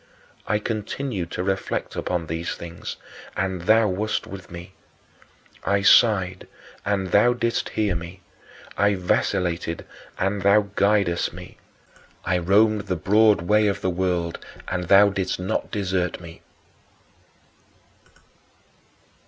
I continued to reflect upon these things, and thou wast with me. I sighed, and thou didst hear me. I vacillated, and thou guidedst me. I roamed the broad way of the world, and thou didst not desert me.